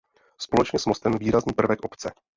Společně s mostem výrazný prvek obce.